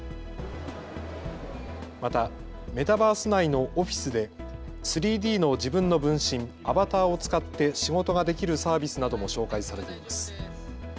またメタバース内のオフィスで３Ｄの自分の分身、アバターを使って仕事ができるサービスなども紹介されています。